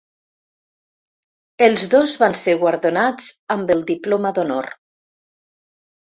Els dos van ser guardonats amb el diploma d'honor.